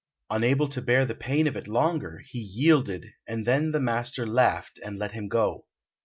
Unable to bear the pain of it longer, he yielded, and then the master laughed and let him go.